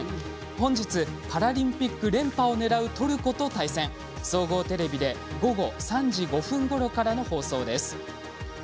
本日、パラリンピック連覇を狙うトルコと対戦。総合テレビで午後３時５分ごろからの放送です。